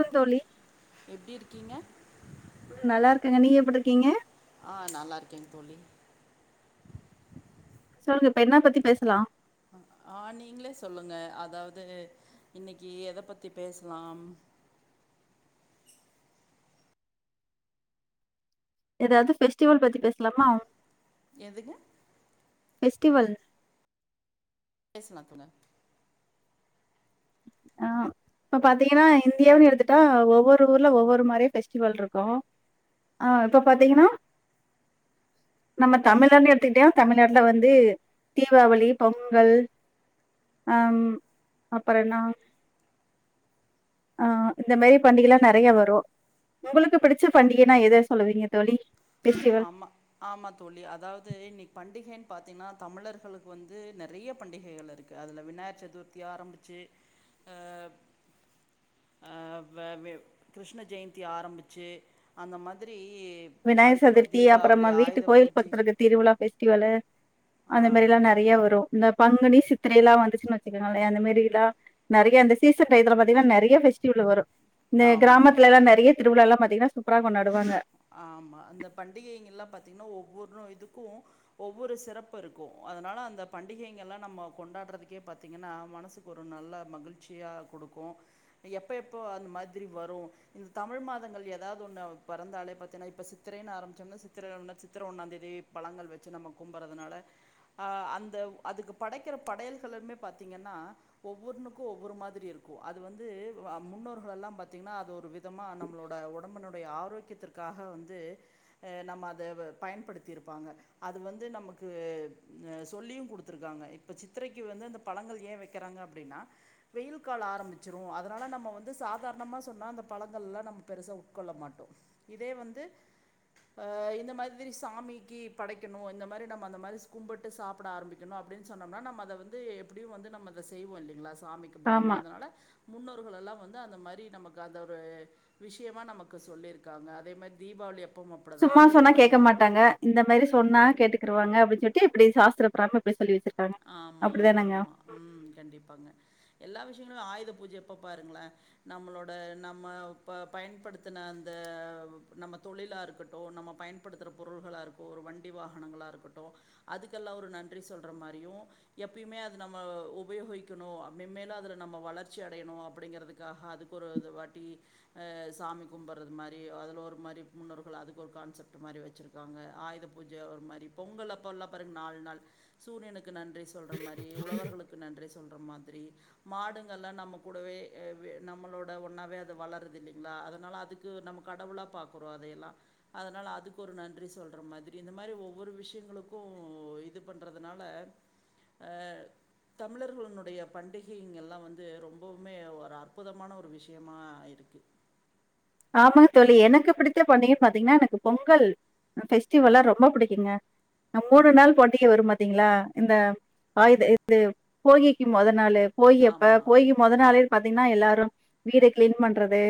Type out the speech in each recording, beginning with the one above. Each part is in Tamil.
லிங் தோழி எப்டி இருக்கீங்க நல்லா இருக்கங்க நீங்க எப்டி இருக்கீங்க ஆ நல்லாருகேங் தோழி சொல்லுங்க இப்ப என்னாப் பத்தி பேசலா ஆ நீங்களே சொல்லுங்க அதாவது இன்னைக்கி எதப் பத்தி பேசலாம் ஏதாவது ஃபெஸ்டிவல் பத்தி பேசலாமா எதுங்க ஃபெஸ்டிவல் பேசலா தோழி ஆ இப்போ பாத்தீங்கன்னா இந்தியானு எடுத்துட்டா ஒவ்வொரு ஊரில் ஒவ்வொரு மாரி ஃபெஸ்டிவல் இருக்கு ஆ இப்ப பாத்தீங்கன்னா நம்ம தமிழன்னு எடுத்துக்கிட்டயா தமிழ்நாட்டுல வந்து தீபாவளி பொங்கல் ஆம் அப்புற என்னா ஆ இந்த மாரி பண்டிகைல்லா நெறைய வரு உங்களுக்கு பிடிச்ச பண்டிகைன்னா எத சொல்லுவீங்க தோழி ஃபெஸ்டிவல் ஆமா ஆமா தோழி அதாவது இன்னைக் பண்டிகையின் பாத்திங்கன்னா தமிழர்களுக்கு வந்து நெறைய பண்டிகைகள் இருக்கு அதுல விநாயகர் சதுர்த்தி ஆரம்பிச்சு ஆ ஆ வ கிருஷ்ண ஜெயந்தி ஆரம்பிச்சு அந்த மாரி விநாயக சதுர்த்தி அப்றோ நம்ம வீட்டு கோயில் பூஜை பக்கத்து இருக்கு திருவிழா பெஸ்டிவலு ஆ அந்த மாதிரி எல்லாம் நெறைய வரும் இந்த பங்குனி சித்திரையல்லாம் வந்துச்சுன்னு வச்சுக்கோங்களோன் அந்த மாரி எல்லாம் நெறைய அந்த சீசன் டயதில பாத்தீங்கன்னா நெறைய பெஸ்டிவல் வரும் இந்த ஆமாங்க கிராமத்துல எல்லாம் நெறைய திருவிலால்லாம் பாத்தீங்கன்னா சூப்பரா கொண்டாடுவாங்க ஆமா அந்த பண்டிகைங்க எல்லாம் பாத்தீங்கன்னா ஒவ்வொரு இதுக்கும் ஒவ்வொரு சிறப்பு இருக்கும் அதனால அந்த பண்டிகைங்க எல்லாம் நம்ம கொண்டாடுறதுக்கே பாத்தீங்கன்னா மனசுக் ஒரு நல்ல மகிழ்ச்சியா கொடுக்கும் எப்போ எப்போ அந்த மாதிரி வரும் இந்த தமிழ் மாதங்கள் ஏதாவது ஒன்னு பறந்தாலே பாத்தீங்கன்னா இப்ப சித்திரன்னு ஆரம்பிச்சோம்னா சித்திரை ஓன்னு சித்திர ஒன்னாம் தேதி பழங்கள் வச்சு நம்ம கும்புறதுனால ஆ அந்த அதுக்கு படைக்கிற படையல்கமே பாத்திங்கன்னா ஒவ்வொண்ணுக்கும் ஒவ்வொரு மாதிரி இருக்கும் அது வந்து முன்னோர்கள் எல்லாம் பாத்தீங்கன்னா அது ஒரு வி தமா நம்மளோட உடம்புனுடைய ஆரோக்கியத்திற்காக வந்து ஆ நம்ம அதை பயன்படுத்திருப்பாங்க அது வந்து நமக்கு சொல்லியும் கொடுத்துருக்காங்க இப்ப சித்திரைக்கு வந்து அந்த பழங்கள் ஏன் வைக்கிறாங்க அப்டின்னா வெயில் காலம் ஆரம்பிச்சிரும் அதனால் நம்ம வந்து சாதாரணமா சொன்னால் அந்த பழங்கள்லாம் நம்ம பெருசாக உட்கொள்ள மாட்டோம் இதே வந்து ஆ இந்த மாதிரி சாமிக்கி படைக்கணும் இந்த மாரி நம்ம அந்த மாதிரி கும்பிட்டு சாப்ட ஆரம்பி க்கணும் அப்டின்னு சொன்னோம்னா நம்ம அதை வந்து எப்டியும் வந்து நம்ம அதை செய்வோம் இல்லைங்களா சாமிக்கு பயந்து ஆமா அதனால முன்னோர்களெல்லாம் வந்து அந்த மாரி நமக்கு அந்த ஒரு விஷயமா நமக்கு சொல்லிர்க் க்காங்க அதோ மாதிரி தீபாவளி அப் சும்மா சொன்னா கேக்க மாட்டாங்க இந்த மாரி சொன்னா கேட்டு கிருவாங்க அப்டின் சொல்லிட்டு இப்டி சாஸ்திரப்பறாம இப்டி சொல்லி வச்சுருக்காங்க ஆமாங்க. அப்டிதானங்க ஆமா. ம் கண்டிப்பாங்க எல்லா விஷயங்களும் ஆயுத பூஜை அப்ப பாருங்களோ நம்மளோட நம்ம இப்ப பயன்படுத்தின அந்த நம்ம தொழிலா இருக்கட்டும் நம்ம பயன் பயன்படுத்துற பொருள்களா இருக்க ஒரு வண்டி வாகனங்களா இருக்கட்டும் அதுக்கெல்லாம் ஒரு நன்றி சொல்ற மாரியும் எப்பியுமே அது நம்ம உபயோகிக்கணும் மேம்மேலும் அதுல நம்ம வளர்ச்சி அடையணும் அப்டிங்கிறது கமா அதுகு ஒரு வாட்டி ஆ சாமி கும்புறது மாரி அதுல ஒரு மாரி முன்னோர்கள் அதுக்கு ஒரு கான்செப்ட் மாரி வச்சி ருக்காங்க ஆயுத பூஜை ஒரு மாதிரி பொங்கல்ப்பல்லாம் பாருங்க நாலு நாள் சூரியன் னுக்கு நன்றி சொல்ற மாதிரி உழவர்களுக்கு நன்றி சொல்ற மாதிரி மாடுங்கள்லாம் நம்ம கூடவே நம்மளோட ஒன்னாவே அது வளருது இல்லைங்களா அதனால அதுக்கு வந்து நம்ம கடவுளா பாக்குறோ அதேயேல்லா அதனால் அதுக்கு ஒரு நன்றி சொல்ற மாதிரி இந்த மாதிரி ஒவ்வொரு விஷயங்களுக்கும் இது பண்ணுறதுனால அ தமிழர்களுடைய பண்டிகைங்கெல்லாம் வந்து ரொம்பவுமே ஒரு அற்புதமான ஒரு விஷயமா இருக்கு ஆமா தோழி எனக்குப்புடித்த பண்டிகைன்னு பாத்தீங்கன்னா எனக்கு பொங்கல் பெஸ்டிவெல ரொம்ப பிடிக்குங்க மூணு நாள் பண்டிக வரும் மாத்தீங்களா இந்த ஆயத இது போகிக்கு மொத நாளு போகி அப்ப ஆமாம் போகி மொத நாளே பாத்தீங்கன்னா எல்லாரும் வீடு கிளீன் பண்றது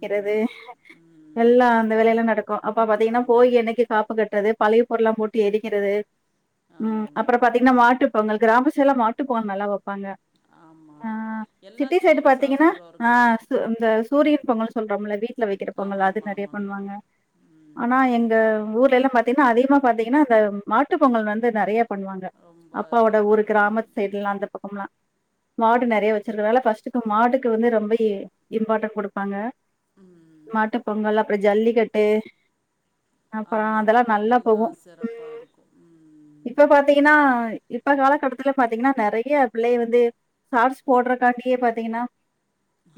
க்கிறது ம் ம் எல்லாம் அந்த வேலைய எல்லாம் நடக்கும் அப்போ பாத்தீங்கன்னா போகி ஆமாங்க. அன்னைக்கு காப்பு கட்டுறது பழைய பொருலாம் போட்டு எரிக்கிறது உ ஆமாங்க. அப்றோம் பாத்தீ என்ன மாட்டுப் பெங்கால் கிராம சயீட்லா மாட்டுப்பொங்கல் நல்லா வைப்பாங்க ஆமா. ஆ சிட்டி எல்லாத்துக்குமே சைடு ஒரு பா்த்தீங்கன்னா சாஸ்திரம் ஆ இருக்கும். இந்த சூரிய பொங்கல் சொல்றோம்ல வீட்ல வைக்கிற ஆமா, பொங்கல் அது ஆமா, நெறய ஆமாங்க. பண்ணுவாங்க ம். ஆனா எங் இந்த ஊர்ல எல்லா பாத்தீங்கன்னா அதிகமா பாத்தீங்கன்னா அந்த மாட்டுப் பொங்கல் வந்து நெறயப் பண்ணுவாங்க ரொம்ப அப்பாவோட சிறப்பா ஒரு கிராம கொண்டாடுவீங்க. சைடுல்லா அந்தப் பக்கம்ல்லா மாடு நெறய ம். வச்சுருக்கறதுனால ஃபஸ்ட்டுக்கு மாட்டுக்கு வந்து ரொம்ப இம்பார்டன்ட் கொடுப்பாங்க ம் மாட்டுப் பொங்கல் அப்புறோ ஜல்லிக்கட்டு அப்புறோ ஆமா நல்லா அதெல்லா போகு ம் சிறப்பா இருக்கூ ம் இப்ப பாத்தீங்கன்னா இப்ப காலகட்டத்துல பாத்தீங்கன்னா நெறய பிள்ளய வந்து ஷார்ட்ஸ் போட்றக் காட்டியெ பார்த்தீங்கன்னா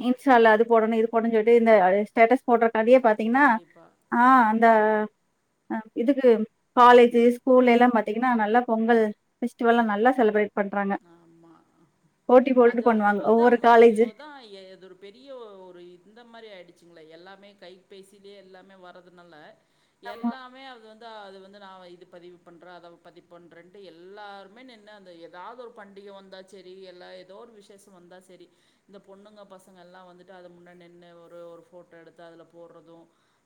இன்ஸா இல்ல அது போடணும் இது போடணும்ு சொல்லிட்டு இன்ஸ்ட்டாவுல ‌அது போடனூ இது போடனூ செல்ட்டு இநத ஸ்டேடஸ் போட்றத்துக்காண்டியே பாத்தீங்கன்னா கண்டிப்பா. ஆ அந்த அ இதுக்கு காலேஜ் பு தேஸ்கேவூல எல்லா பாத்தீங்கன்னா நல்லா பொங்கல் பெஸ்டிவெல்லா நல்ல செலிப்ரேட் பண்றாங்க ஆமா போட்டி போட்டுட்டு அது அவங்க பண்ணுவாங்க வந்து ஒவ்வொரு அவங்க காலேஜு இப்போதா எது ஒரு பெரிய ஒரு இந்தமாரி ஆயிடுச்சிங்களே எல்லாமே கைபேசிலயே எல்லாமே வர்துனால ஆமா எல்லாமே அது வந் அது வந்து நான் இது பதிவு பண்றே அத பதிவு பண்றேன்டு எல்லாருமே நின்னூ அந்த எட்தெ ஏதாவ் ஒரு பண்டிகை வந்தா சரி எல்லா எதே ஒரு விசேஷோ வந்தா சரி இந்த பொண்ணுங்க பசங்க எல்லா வந்துட்டு அது முன்னாட் நின்னூ ஒரு ஒரு போட்டோ எடுத்து அதுல போட்றதூ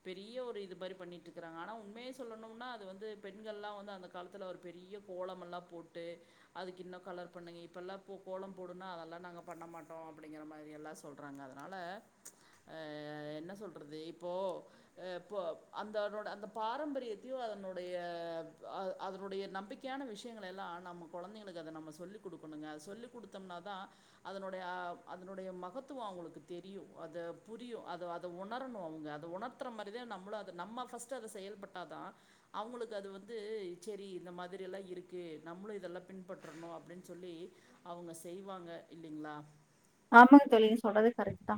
பெரிய ஒரு இது மாதிரி பண்ணிட்டு இருக்கறாங்க ஆனா உண்மைய சொல்லணும்னா அது வந்து பெண்கள்லா வந்து அந்த தலத்துல ஒரு பெரிய கோலமெல்லா போட்டு அதுக்கு இன்னூ கலர் பண்ணுங்க இப்பெல்லா போ கோலம் போடுன்னா அதெல்லா நாங்க பண்ண மாட்டோ அப்படிங்கிற மாதிரி எல்லா சொல்றாங்க அதனால அ என்ன சொல்றது இப்போ அ இப்ப ‌அந்தனேட பாரம்பரியத்தையூ அதனுடைய அத் அனுடைய நம்பிக்கை யான விஷயங்களலெல்லா நம்ம குழந்தைங்களுக்கு அத நம்ம சொல்லி் கொடுக்கணுங்க அத சொல்லிக் கொடுத்தோம்னா தா அதனுடைய அதனுடைய மகத்துவே அவங்களுக்கு தெரியும் அத புரியும் அத அதை உணரணும் அவங்க அத உணர்த்த வளத்தர மாதிரி தா நம்மளூ நம்ம ஃபர்ஸ்ட் அத செயல்பட்டாதா அவங்களுக்கு அது வந்து செரி இந்த மாதிரியல்லா இருக்கு நம்மளூ இதெல்லா பின்பற்றறனூ அப்படின் சொல்லி அவங்க செய்வாங்க இல்லிங்களா ஆமாங்க தோழி சொன்னது கரெக்ட் தா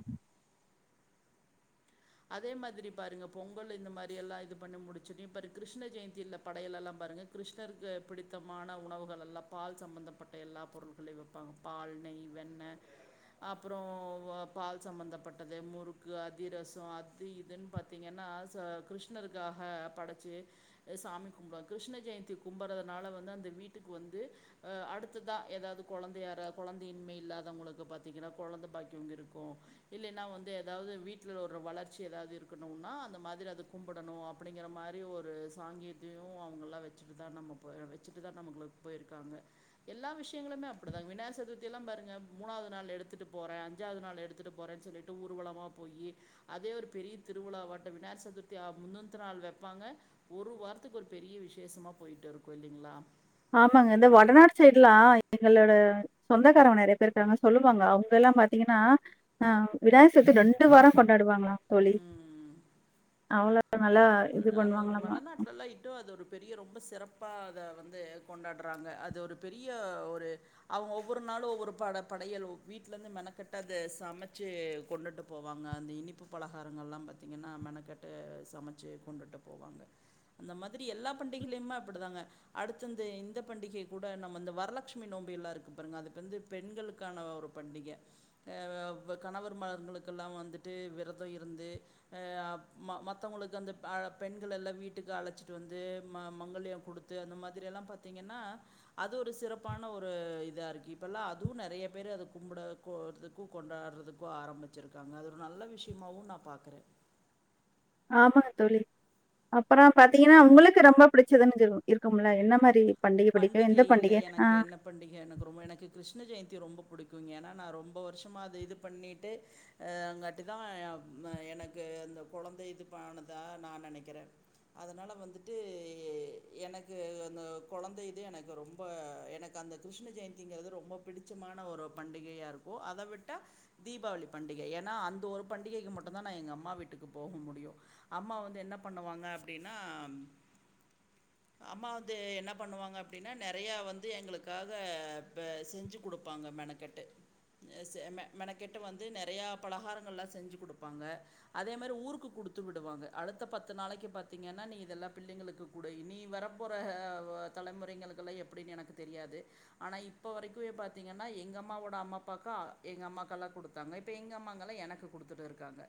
அதே மாதிரி பாருங்க பொங்கல் இந்த மாதிரி எல்லா இது பண்ணி முடிச்சுட்னே பாரு கிருஷ்ண ஜெயந்தியில படையலெல்லா பாருங்க கிருஷ்ணருக்கு பிடித்தமான உணவுகள் எல்லா பால் சம்பந்தப்பட்ட எல்லா பொருள்களையூ வைப்பாங்க பால் நெய் வெண்ணெ அப்புறோ வோ பால் சம்பந்தப்பட்டது முறுக்கு அதிரஸ் ஸோ அது இதுன்னு பார்த்திங்கன்னா ஆ செ கிருஷ்ணருக்காக படைச்சி சாமி கும்பிடோங் கிருஷ்ண ஜெயந்தி கும்பறதுனால வந்து அந்த வீட்டுக்கு வந்து அ அடுத்ததா ஏதாவது குழந்தைய யார குழந்தையின்மைே இல்லாதவங்களுக்கு பார்த்தீங்கன்னா குழந்தை பாக்கியே இருக்கூ இல்லனா வந்து எதாவது வீட்ல ஒ ஒரு வளர்ச்சி ஏதாவது இருக்கணும்னா அந்த மாதிரி அது கும்பிடணூ அப்படிங்கிற மாரி ஒரு சாங்கீத்தையூ அவங்கள்லா வெச் வச்சுட்டு தா நம்ம போயிர் வச்சுட்டு தா நம்மளுக்கு போயிருக்காங்க எல்லா விஷயங்களுமே அப்படிதா விநாய சதுர்த்திலா பாருங்க மூணாவது நாள் எடுத்துட்டு போறே அஞ்சாவது நாள் எடுத்துட்டு போறேன்னு சொல்லிட் ஊர்வலமா போயீ அதே ஒரு பெரிய திருவிழா வாட்டே விநாயக சதுர்த்தி முன்னத்த நாள் வைப்பாங்க ஒரு வாரத்துக்கு ஒரு பெரிய விசேஷமா போயிட்டு இருக்கூ இல்லிங்ளா ஆமாங்க இந்த வடநாடு சைடு்லாம் எங்களோட சொந்தக்காரன் நெறைய பேர் இருக்காங்க சொல்லுவாங்க அவங்க எல்லாம் பாத்தீங்கன்னா அ விநாயக சத்து ரெண்டு வாரம் கொண்டாடுவாங்க தோழி அவ்ளோ ஆமாங் வடநாட்டுலல்லாம் இன்னும் அது ஒரு பெரிய ரொம்ப சிறப்பா அத வந்து கொண்டாடுறாங்க அது ஒரு பெரிய ஒரு அவங்க ஒவ்வொரு நாளும் ஒவ்வொரு பட படையல் வீட்ல இருந்து மெனக்கட்டு அதை சமைச்சு கொண்டுட்டு போவாங்க அந்த இனிப்பு பலகாரங்கள் எல்லாம் பாத்தீங்கன்னா மெனக்கட்டு சமைச்சு கொண்டுட்டு போவாங்க இந்த மாதிரி எல்லா பண்டிகையுமே அப்டிதாங்க அடுத்து இந்த பண்டிகை கூட நம்ம இந்த வரலட்சுமி நோம்புல்லாம் இருக்கு பாருங்க அதுக்குவந்து பெண்களுக்கான ஒரு பண்டிகை கணவர் மார்களுக்கெல்லாம் வந்துட்டு விரதம் இருந்து ஆ அம்மா மத்தவங்களுக்கு அந்த பெண்கள்ள எல்லாம் வீட்டுக்கு அழைச்சிட்டு வந்து ம மங்கல்யம் கொடுத்து அந்த மாதிரலாம் பாத்தீங்கன்னா அது ஒரு சிறப்பான ஒரு இதா இருக்கு இப்பல்லாம் அதுவும் நெறைய பேர் அதை கும்பிட கோதுக்கும் கொண்டாடுறதுக்கும் ஆரம்பிச்சிருக்காங்க அது ஒரு நல்ல விஷயமவும் நான் பாக்குறேன் ஆமாங்க தோழி அப்றோ பாத்தீங்கன்னா உங்களுக்கு ரொம்ப பிடிச்சதுன்னு இருக்கும்ல என்ன மாதிரி பண்டிகை படி எந்த இல்லை பண்டிகை ஆ எனக்கு என்ன பண்டிகை எனக்கு ரொம்ப எனக்கு கிருஷ்ண ஜெயந்தி ரொம்ப புடிக்கும்ங்க ஏன்னா நான் ரொம்ப வருஷமா அது இது பண்ணிட்டு ஆங்கட்டி தான் எனக்கு இந்த கொழந்தை இது பானதா நான் நெனைக்கிறேன் அதனால வந்துட்டு எனக்கு அந்த கொழந்தை இது எனக்கு ரொம்ப எனக்கு அந்த கிருஷ்ண ஜெயந்திங்கிறது ரொம்ப பிடிச்சமான ஒரு பண்டிகையாக இருக்கும் ஓ அத விட்ட தீபாவளி பண்டிகை ஏன்னா அந்த ஒரு பண்டிகைக்கு மட்டும்தான் நான் எங்க அம்மா வீட்டுக்கு போக முடியும் அம்மா வந்து என்ன பண்ணுவாங்க அப்டின்னா அம்மா வந்து என்ன பண்ணுவாங்க அப்டின்னா நெறைய வந்து எங்களுக்காக செஞ்சு கொடுப்பாங்க மெனக்கட்டு மெனக்கெட்டு வந்து நெறையா பலகாரங்கள்லாம் செஞ்சு கொடுப்பாங்க அதே மாதிரி ஊருக்கு குடுத்துவிடுவாங்க அடுத்த பத்து நாளைக்கு பாத்தீங்கன்னா இதெல்லாம் பிள்ளைங்களுக்கு கூட நீ வரப்போகிற தலைமுறைகளுக்கெல்லாம் எப்டின்னு எனக்கு தெரியாது ஆனா இப்ப வரைக்குமே பாத்தீங்கன்னா எங்க அம்மாவோட அம்மா அப்பாக்கா எங்க அம்மாக்கல்லாம் கொடுத் [unintelligible] இப்ப எங்க அம்மாங்கலாம் எனக்கு கொடுத்துட்டுருக்காங்க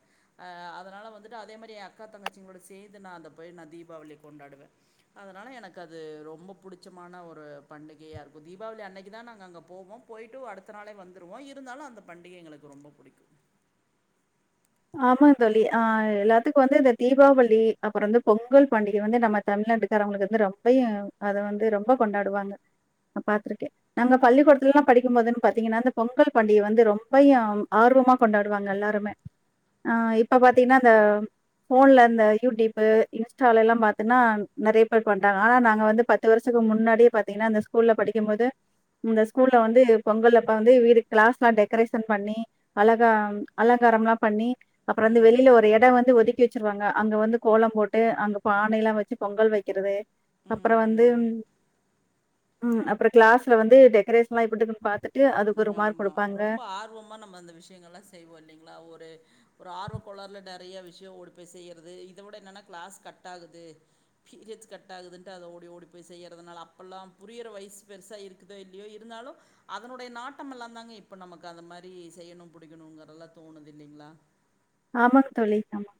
அ அதனால வந்துட்டு அதே மாதிரி என் அக்கா தங்கச்சிங்களோட சேந்து நான் அந்த போய் நான் தீபாவளி கொண்டாடுவேன் அதனால எனக்கு அது ரொம்போ புடிச்சமான ஒரு பண்டிகையா இருக்கும் தீபாவளி அன்னைக்கு தான் நாங்க அங்க போவோம் போயிட்டு அடுத் தனாளே வந்துருவோம் இருந்தாலும் அந்த பண்டிகை எங்களுக்கு ரொம்ப பிடிக்கும் ஆமாந்தோழி ஆ எல்லாத்துக்கும் வந்து இந்த தீபாவளி அப்றோ வந்து பொங்கல் பண்டிகை வந்து நம்ம தமிழ்நாட்டுக்காரவங்களுக்கு வந்து ரொம்பையும் அதை வந்து ரொம்ப கொண்டாடுவாங்க நான் பாத்ருக்கேன் நாங்க பள்ளிக்கூடத்துலல்லாம் படிக்கும்போதுன்னு பாத்தீங்கன்னா இந்த பொங்கல் பண்டிகை வந்து ரொம்பயு ஆர்வமா கொண்டாடுவாங்க எல்லாருமே ஆ இப்ப பாத்திங்கனா அந்த போன்ல இந்த யூடியூப் இன்ஸ்டாலலாம் பாத்தேன்னே நெறைய பேர் பண்றாங்க ஆனா நாங்க வந்து ப பத்து வருஷத்துக்கு முன்னாடியே பாத்தீங்கன்னா அந்த ஸ்கூல்ல படிக்கு போது இந்த ஸ்கூல்ல வந்து பொங்கல் அப்ப வந்து வீடு க்ளஸ்லா டெக்ரேஷன் பண்ணி அழகா அலங்காரல்லா பண்ணி அப்றோ ம். வெளில ஒரு இடம் வந்து ஒதுக்கி வச்சிருவாங்க அங்க வந்து கோலம் போட்டு அங்க பானைய எல்லா வச்சு பொங்கல் வைக்கிறது அப்றோ ம், வந்து ம். ம் அப்றோ க்ளாஸ்ல வந்து டெக்கரேஷன்லா எப்டியிருகுன்னு பாத்துட் ஆமா ரொம்ப ஆர்வமா நம்ம அந்த விஷயங்கள்லா செய்வோ இல்லைங்களா ஒரு ஒரு ஆர்வக்கோளார்ல நெறைய விஷயோ ஓடி போய் செய்றது இத விட என்னன்னா க்ளாஸ் கட் ஆகுது பீரியட்ஸ் கட் ஆகுதுன்ட்டு அத ஓடி ஓடி போய் செய்றதுனால அப்பல்லா புரியிற வயசு பெருசா இருக்குதோ இல்லையோ இருந்தாலு அதனுடைய நாட்டம் எல்லா தாங்க இப்ப நமக்கு அந்த மாறி செய்யணு புடிக்கணும்ங்கறதெல்லா தோணுது இல்லைங்ளா ஆமாங் தோழி ஆமா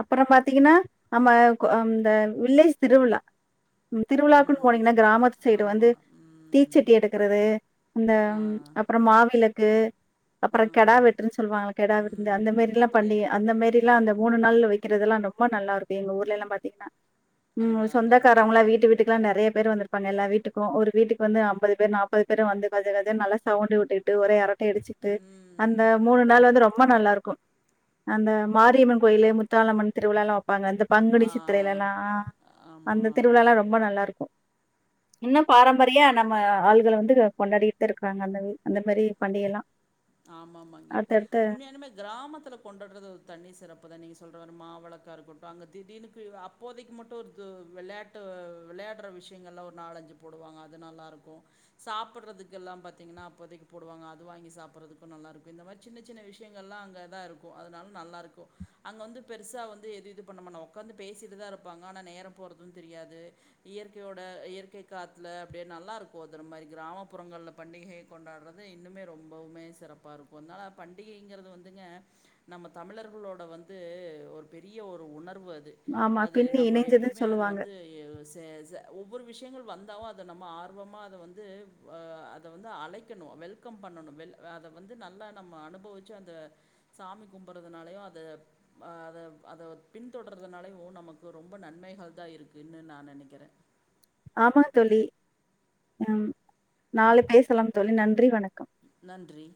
அப்புறோ பாத்தீங்கன்னா நம்ம அந்த வில்லேஜ் திருவிழா திருவிழாக்கு ம் போனீங்கன்னா கிராமத்து சைடு வந்து ஆமா ம் தீச்சட்டி எடுக்குறது அந்த ஆ அப்புறோ மாவிளக்கு ஆ அப்புறோ கெடா வெட்டுன்னு சொல்லுவாங்க இல்ல கெடா விரு அந்த ம் மாறில்லா பண்ணி அந்த அந்த கேள்விப்பட்டிருக்கேன் மாறில்லா அந்த மூணு ம் நாள்ல வெக்கிறது எல்லா ரொம்ப நல்லா இருக்கு எங்க ஊர்ல எல்லா பாத்தீங்கன்னா உம் அதான் அதான் அதான் சொந்தக்காரவங்கல்லா அதான் வீட்ட வீட்டுக் நெறைய பேர் வந்திருப்பாங்க எல்லா வீட்டுக்கும் ஒரு வீட்டுக்கு வந்து அம்பது பேர் நாப்பது பேரு வந்து கஜ கஜன்னு நல்லா சவுண்ட் உட்டு ட்டு ஒரே அரட்டை அடிச்சுட்டு அந்த ம் மூணு நாள் வந்து ரொம்ப நல்லா இருக் கும் அந்த மாரியம்மன் கோயிலு முத்தாளம்மன் திருவிழா எல்லா வெப்பாங்க அந்த பங்குனி ஆ சித்திரைல எல்லா அந்த ஆமா திருவிழால்லா ரொம்ப நல்லாயிருக்கும் இன்னம் பாரம்பரியா நம்ம ஆள்கள வந்து கொண்டாடிட்டு தா இருக்கறாங்க அந்த அந்த மாறி பண்டிக எல்லா ஆமா ஆமாங்க இப்ப உண்மையாலுமே கிராமத்துல கொண்டாட்றது ஒரு தனி சிறப்பு தா நீங்க சொல்ற மாவிளக்கா இருக்கட்டு அங்க தீடிர்னு அப்போதைக்கு மட்டு ஒரு வெளாட் ட்டு விளையாட்ற விஷயங்கள்லா ஒரு நாளாச்சு போடுவாங்க அது நல்லா இருக்கும் சாப்பட்றதுக்கு எல்லா பாத்தீங்கன்னா அப்போதைக்கு போடுவாங்க அது வாங்கி சாப் பட்றதுக்கும் நல்லாருக்கும் இந்த மாறி சின்ன சின்ன விஷயங்கள்லா அங்க தா இருக்கும் அதனால நல்லா இருக்கும் அங்க வந்து பெருசா வந்து எது இது பண்ணமாட்டாங்க உக்காந்து பேசிட்டுதா இருப்பாங்க ஆனா நேரோ போறதும் தெரியாது இயற்கையோட இயற்கை காத்துல அப்டியே நல்லா இருக்கும் அது அந்த மாறி கிராமப்புறங்கள்ல பண்டிகை கொண்டாட்றது இன்னுமே ரொம்பவுமே சிறப்பாக இருக்கு அதனால பண்டிகைங்கிறது வந்துங்க நம்ம தமிழர்களோட வந்து ஒரு பெரிய ஒரு உணர்வு அது ஆமா. அது பின்னி நம்ம இணைஞ்சதுன்னு எப்பயுமே அது சொல்லுவாங்க. வந்து சே சே ஒவ்வொரு விஷயங்கள் வந்தாவு அத நம்ம ஆர்வமா அத வந்து அத வந்து அழைக் கணு வெல்கம் பண்ணணு வெல் அத வந்து நல்லா நம்ம அனுபவிச்சு அந்த சாமி கும்பட்றதுனாலையோ அத அ அத அத பின்தொடறதுனாலயு நமக்கு ரொம்ப நன்மைகள் தா இருக்குன்னு நா நெனைக்கிறே ஆமா தோழி ம் நாளை பேசலா தோழி நன்றி வணக்கம் நன்றி